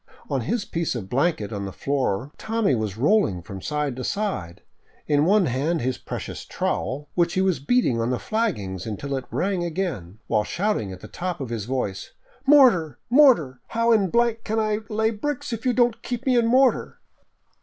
On his piece of blanket on the floor Tommy was rolling from side to side, in one hand his precious trowel, which he was beating on the flaggings until it rang again, while shouting at the top of his voice :" Mortar ! Mortar ! How in can I lay bricks if you don't keep me in mortar